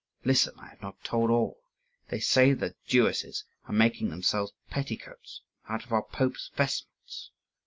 Listen! I have not yet told all. They say that the Jewesses are making themselves petticoats out of our popes' vestments.